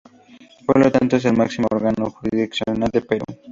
Por lo tanto, es el máximo órgano jurisdiccional del Perú.